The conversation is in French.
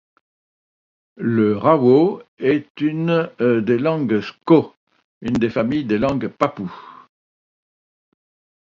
Le rawo est une des langues sko, une des familles de langues papoues.